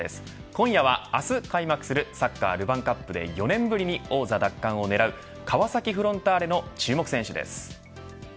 今夜は明日開幕するサッカー、ルヴァンカップで４年ぶりに王座奪還を狙う川崎フロンターレの注目選手です。